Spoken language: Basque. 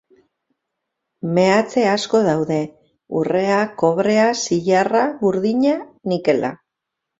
Meatze asko daude: urrea, kobrea, zilarra, burdina, nikela.